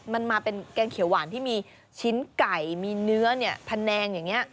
มันมาเป็นแกงเขียวหวานที่มีชิ้นไก่มีเนื้อเนี่ยแผนงอย่างนี้